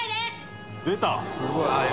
すごい！